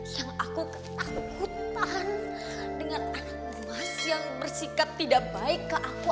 yang aku ketakutan dengan anakku mas yang bersikap tidak baik ke aku